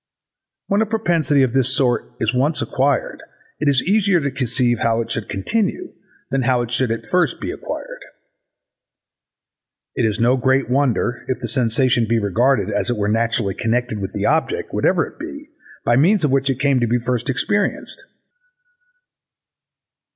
When a propensity of this sort is once acquired it is easier to conceive how it should continue than how it should be at first acquired. It is no great wonder if the sensation be regarded as if it were naturally connected with the object, whatever it be, by means of which it came to be first experienced.